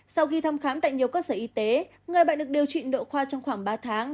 sau khi thăm khám tại nhiều cơ sở y tế người bệnh được điều trị nội khoa trong khoảng ba tháng